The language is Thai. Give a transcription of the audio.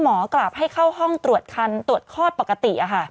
หมอกลับให้เข้าห้องตรวจคลันปกติ